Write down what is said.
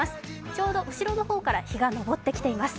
ちょうど後ろの方から、日が昇ってきています。